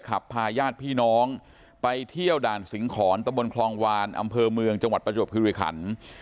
พาญาติพี่น้องไปเที่ยวด่านสิงหอนตะบนคลองวานอำเภอเมืองจังหวัดประจวบคิริขัน